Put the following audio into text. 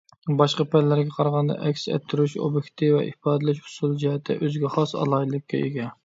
باشقا پەنلەرگە قارىغاندا ئەكس ئەتتۈرۈش ئوبيېكتى ۋە ئىپادىلەش ئۇسۇلى جەھەتتە ئۆزىگە خاس ئالاھىدىلىككە ئىگە.